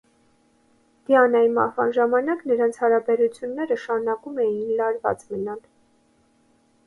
Դիանայի մահվան ժամանակ նրանց հարաբերությունները շարունակում էին լարված մնալ։